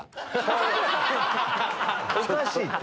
おかしいって。